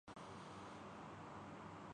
ناکام ہونے والی فلم